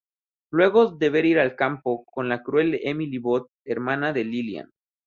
Luego deber ir al Campo con la cruel Emily Booth, hermana de Lilian.